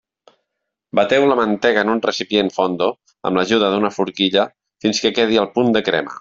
Bateu la mantega en un recipient fondo, amb l'ajuda d'una forquilla, fins que quedi al punt de crema.